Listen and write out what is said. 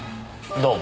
どうも。